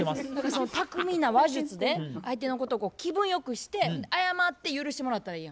その巧みな話術で相手のことをこう気分良くして謝って許してもらったらええやん。